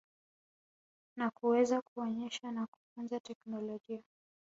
na kuweza kuonyesha na kufunza teknolojia.